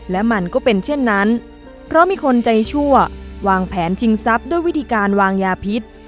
และมันก็เป็นเช่นนั้นเพราะมีคนใจชั่ววางแผนชิงทรัพย์ด้วยวิธีการวางยาพิษ